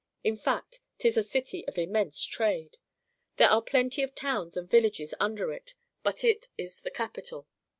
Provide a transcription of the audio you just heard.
In fact, 'tis a city of immense trade. There are plenty of towns and villages under it, but it is the capital.